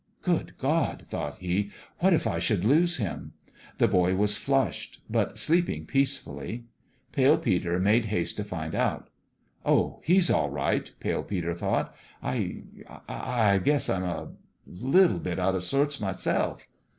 " Good God!" thought he; "what if I should lose him?" The boy was flushed but sleeping peacefully. Pale Peter made haste to find out. " Oh, he's all right," Pale Peter thought. " I I I guess I'm a little bit out of sorts myself."